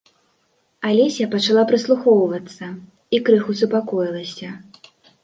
Алеся пачала прыслухоўвацца і крыху супакоілася.